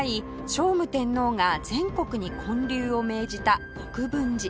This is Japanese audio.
聖武天皇が全国に建立を命じた国分寺